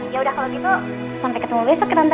ya udah kalau gitu sampai ketemu besok ya tante